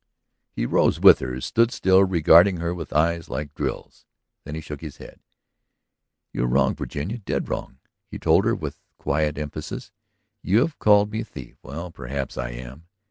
He rose with her, stood still, regarding her with eyes like drills. Then he shook his head. "You are wrong, Virginia, dead wrong," he told her with quiet emphasis. "You have called me a thief? Well, perhaps I am.